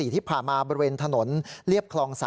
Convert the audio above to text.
ที่ผ่านมาบริเวณถนนเรียบคลอง๓